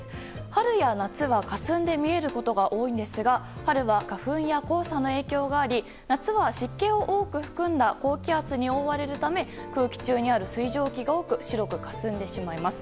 春や夏は、かすんで見えることが多いんですが春は花粉や黄砂の影響があり夏は湿気を多く含んだ高気圧に覆われるため空気中にある水蒸気が多く白くかすんでしまいます。